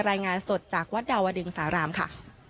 รายงานสดจากวัดดาวดึงสารามค่ะ